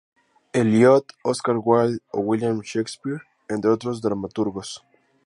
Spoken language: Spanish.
Eliot, Oscar Wilde, o William Shakespeare, entre otros dramaturgos.